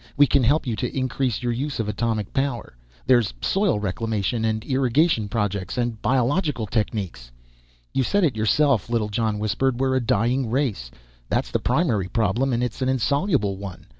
We can help you to increase your use of atomic power. There's soil reclamation and irrigation projects and biological techniques " "You said it yourself," Littlejohn whispered. "We're a dying race. That's the primary problem. And it's an insoluble one.